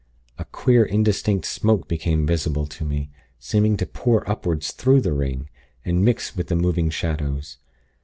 A queer indistinct smoke became visible to me, seeming to pour upward through the ring, and mix with the moving shadows.